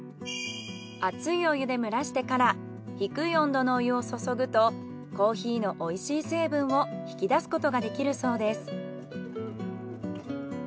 熱いお湯で蒸らしてから低い温度のお湯を注ぐとコーヒーの美味しい成分を引き出すことができるそうです。